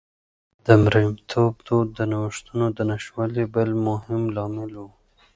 د مریتوب دود د نوښتونو د نشتوالي بل مهم لامل و